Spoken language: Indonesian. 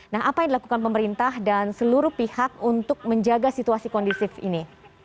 nah apa yang dilakukan pemerintah dan seluruh pihak untuk menjaga situasi kondisif ini